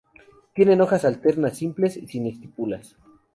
Tienen hojas alternas, simples, sin estípulas.